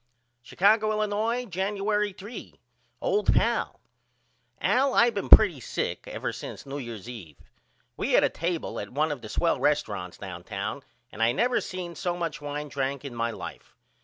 Chicago, Illinois, Januery 3. OLD PAL: Al I been pretty sick ever since New Year's eve. We had a table at 1 of the swell resturunts downtown and I never seen so much wine drank in my life.